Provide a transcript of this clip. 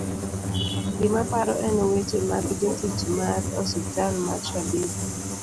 gimaparo en weche mag jotich mar ospital mar Tabibu